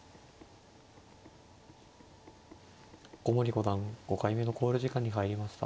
古森五段５回目の考慮時間に入りました。